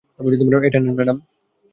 এটা নেন, ম্যাডাম।